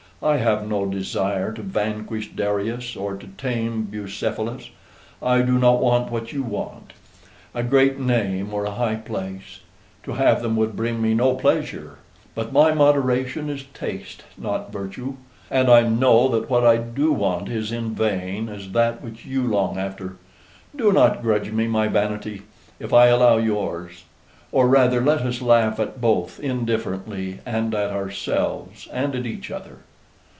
I have no desire to vanquish Darius or to tame Bucephalus. I do not want what you want, a great name or a high place: to have them would bring me no pleasure. But my moderation is taste, not virtue; and I know that what I do want is as vain as that which you long after. Do not grudge me my vanity, if I allow yours; or rather, let us laugh at both indifferently, and at ourselves, and at each other."